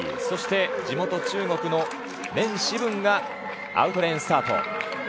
そして、地元・中国のレン・シブンがアウトレーンスタート。